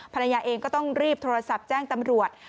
ภรรยาเองก็ต้องรีบโทรศัพท์แจ้งตำรวจ